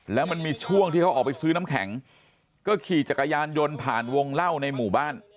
แล้วมันมีช่วงที่เขาออกไปซื้อน้ำแข็งก็ขี่จักรยานยนต์ผ่านวงเล่าในหมู่บ้าน